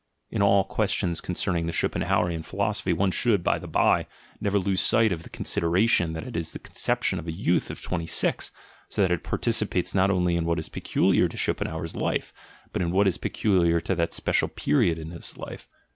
(In all questions concerning the Schopen hauerian philosophy, one should, by the bye, never lose sight of the consideration that it is the conception of a youth of twenty six, so that it participates not only in what is peculiar to Schopenhauer's life, but in what is peculiar to that special period of his life.)